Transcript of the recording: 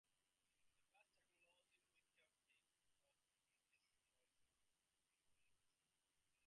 The best technology we can think of is ourselves.